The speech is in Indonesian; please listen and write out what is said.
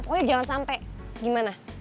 pokoknya jangan sampai gimana